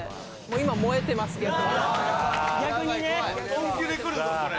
本気で来るぞこれ。